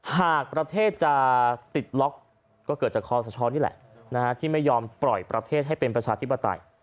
หากประเทศจะติดล็อกก็เกิดจากคอสชนี่แหละที่ไม่ยอมปล่อยประเทศให้เป็นประชาธิปไตย